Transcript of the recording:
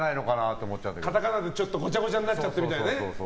カタカナでごちゃごちゃになっちゃったりとかね。